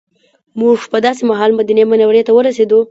موږ په داسې مهال مدینې منورې ته ورسېدو.